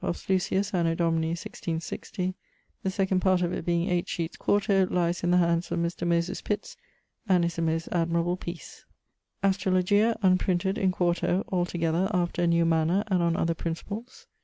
of Slusius, anno Domini, 166 : the second part of it, being 8 sheets 4to, lyes in the hands of Mr. Moyses Pitts and is a most admirable piece. Astrologia: unprinted: in 4to, altogether after a new manner and on other principles.